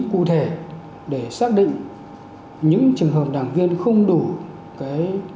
chúng ta là dễ